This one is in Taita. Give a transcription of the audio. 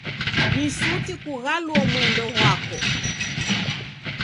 Ni suti kughaluo mwendo ghwako.